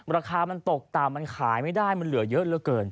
ราคามันตกต่ำมันขายไม่ได้มันเหลือเยอะเหลือเกิน